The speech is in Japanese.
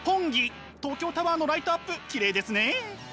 東京タワーのライトアップきれいですね。